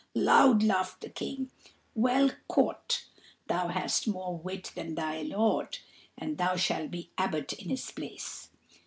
Loud laughed the King. "Well caught. Thou hast more wit than thy lord, and thou shalt be Abbot in his place."